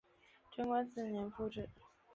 贞观四年复置。